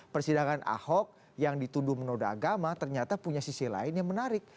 persidangan ahok yang dituduh menoda agama ternyata punya sisi lain yang menarik